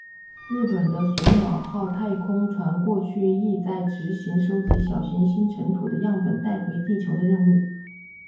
日本的隼鸟号太空船过去亦在执行收集小行星尘土的样本带回地球的任务。